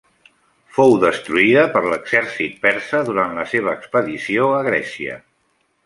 Fou destruïda per l'exèrcit persa durant la seva expedició a Grècia.